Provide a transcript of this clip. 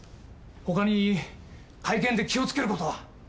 ほかに会見で気をつけることは？